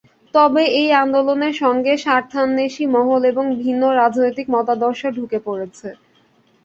তবে এই আন্দোলনের সঙ্গে স্বার্থান্বেষী মহল এবং ভিন্ন রাজনৈতিক মতাদর্শ ঢুকে পড়েছে।